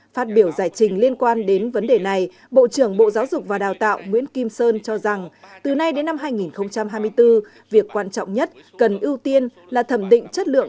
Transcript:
phát biểu giải trình liên quan đến vấn đề này bộ trưởng bộ giáo dục và đào tạo nguyễn kim sơn cho rằng từ nay đến năm hai nghìn hai mươi bốn việc quan trọng nhất cần ưu tiên là thẩm định chất lượng